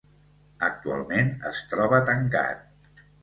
Actualment es troba tancat.